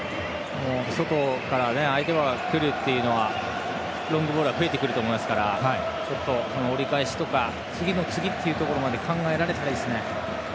外から相手が来るロングボールは増えてくると思いますから折り返しとか次の次まで考えられたらいいですね。